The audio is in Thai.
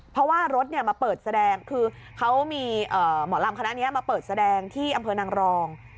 เพราะว่ารถมาเปิดแสดงคือเขามีหมอลำคณะนี้มาเปิดแสดงที่อำเภอนางรอง